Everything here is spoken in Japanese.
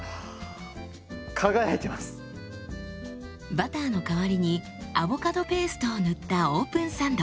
バターの代わりにアボカドペーストを塗ったオープンサンド。